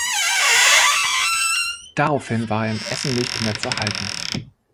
Daraufhin war er in Essen nicht mehr zu halten.